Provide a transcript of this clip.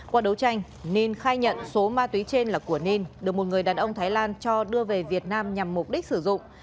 qua đấu tranh ninh khai nhận số ma túy trên là của ninh được một người đàn ông thái lan cho đưa về việt nam nhằm mục đích sử dụng